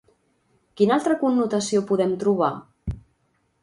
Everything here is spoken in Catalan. Quina altra connotació podem trobar?